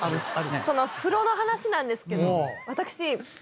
その風呂の話なんですけど私。